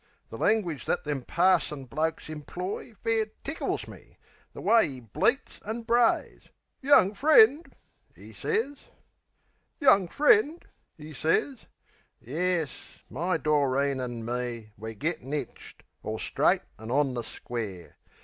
The langwidge that them parson blokes imploy Fair tickles me. The way'e bleats an' brays! "Young friend," 'e sez. "Young friend," 'e sez...Yes, my Doreen an' me We're gettin' hitched, all straight an' on the square.